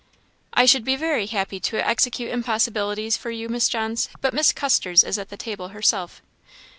"I should be very happy to execute impossibilities for you, Miss Johns, but Mrs. Custers is at the table herself."